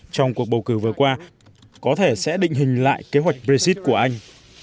trong cuộc bầu cử vừa qua có thể sẽ định hình lại kế hoạch brexit của anh